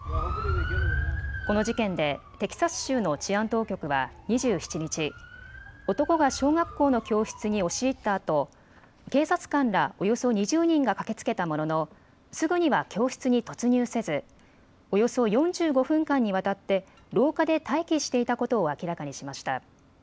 この事件でテキサス州の治安当局は２７日、男が小学校の教室に押し入ったあと警察官らおよそ２０人が駆けつけたものの、すぐには教室に突入せずおよそ４５分間にわたって廊下で待機していたことを明らかにしました。